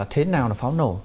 thế nào là pháo nổ